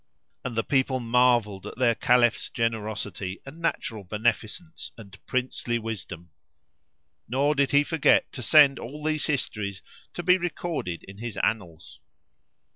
And the people marvelled at their Caliph's generosity and natural beneficence and princely widsom; nor did he forget to send all these histories to be recorded in his annals.